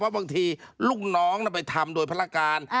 เพราะบางทีลูกน้องมันไปทำโดยภรรการ